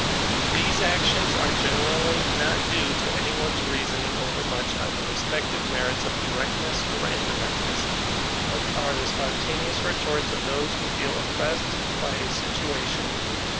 These actions are generally not due to any one's rea* soning overmuch on the respective merits of directness or indirectness, but are the spontaneous retorts of those who fed oppressed by a situation.